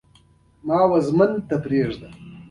چا ته به د زړه حالونه ووايو، چې څنګه يو؟!